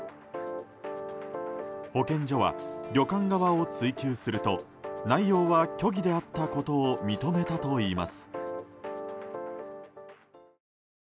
保健所は、旅館側を追及すると内容は虚偽であったことを認めたといいます。